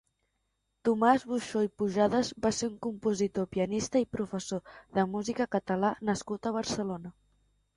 Tomàs Buxó i Pujadas va ser un compositor, pianista i profesor de música catalán nascut a Barcelona.